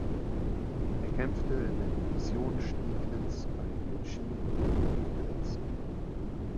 Er kämpfte in der Division Stieglitz bei Gitschin und Königgrätz.